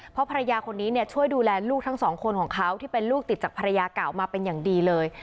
เพราะภรรยาคนนี้ช่วยดูแลลูกทั้งสองคนของเขาที่เป็นลูกติดจากภรรยาเก่ามาเป็นอย่างดีเลย